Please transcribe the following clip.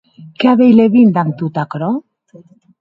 Qué a a veir Levin damb tot aquerò?